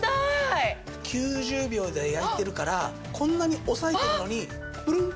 ９０秒で焼いてるからこんなに押さえてるのにプルン。